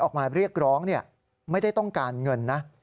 ออกมาเรียกร้องไม่ได้ต้องการเงินนะ